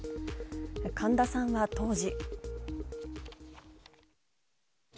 神田さんは当時。